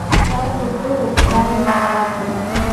Савагылоуп сааины ааҵра.